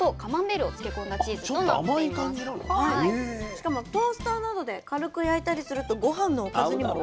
しかもトースターなどで軽く焼いたりするとごはんのおかずにもなるそうです。